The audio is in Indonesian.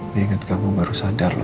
diinget kamu baru sadar loh